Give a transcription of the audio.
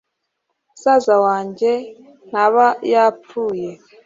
musaza wanjye ntaba yapfuye."